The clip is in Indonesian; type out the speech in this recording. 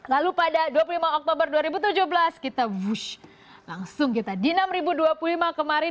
lalu pada dua puluh lima oktober dua ribu tujuh belas kita wush langsung kita di enam ribu dua puluh lima kemarin